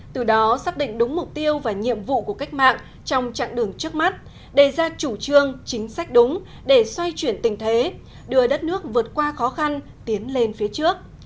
từ đó xác định đúng mục tiêu và nhiệm vụ của cách mạng trong chặng đường trước mắt đề ra chủ trương chính sách đúng để xoay chuyển tình thế đưa đất nước vượt qua khó khăn tiến lên phía trước